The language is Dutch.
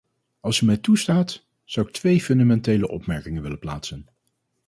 Als u mij toestaat, zou ik twee fundamentele opmerkingen willen plaatsen.